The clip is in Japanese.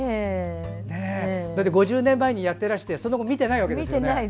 ５０年前にやっていらしてその後、見てないんですよね。